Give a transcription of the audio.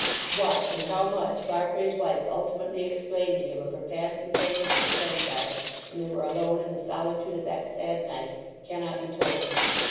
What, and how much, Farfrae's wife ultimately explained to him of her past entanglement with Henchard, when they were alone in the solitude of that sad night, cannot be told.